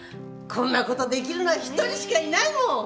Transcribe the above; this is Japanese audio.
こんな事できるのは一人しかいないもん！